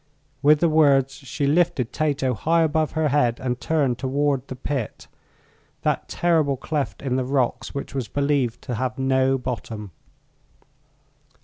With the words she lifted Tato high above her head and turned toward the pit that terrible cleft in the rocks which was believed to have no bottom.